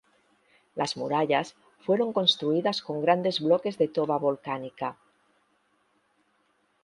Las murallas fueron construidas con grandes bloques de toba volcánica.